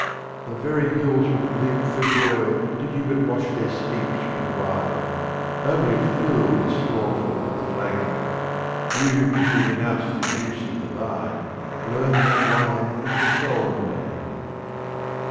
The very hills would leap for joy did you but wash their steeps with wine. Only a fool is scornful of the flagon. You who bid me re nounce the juice of the vine, learn that wine is the soul of man.